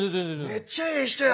めっちゃええ人や。